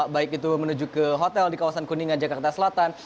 baik itu menuju ke hotel di kawasan kuningan jakarta selatan